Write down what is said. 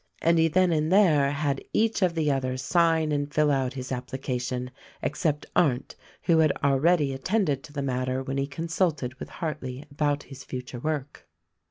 And he then and there had each of the others sign and fill out his applica tion, except Arndt, who had already attended to the matter when he consulted with Hartleigh about his future work.